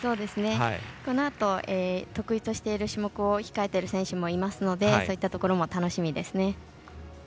このあと得意としている種目を控えている選手もいますのでそういったところも楽しみですね。